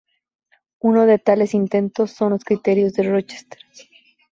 Uno de tales intentos son los criterios de Rochester.